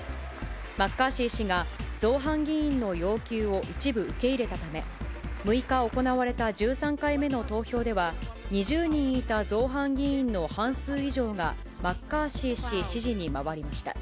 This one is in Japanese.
マッカーシー氏が造反議員の要求を一部受け入れたため、６日行われた１３回目の投票では、２０人いた造反議員の半数以上がマッカーシー氏支持に回りました。